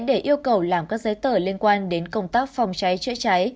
để yêu cầu làm các giấy tờ liên quan đến công tác phòng cháy chữa cháy